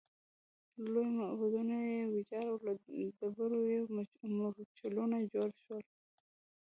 لوی معبدونه یې ویجاړ او له ډبرو یې مورچلونه جوړ شول